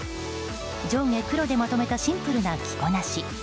上下黒でまとめたシンプルな着こなし。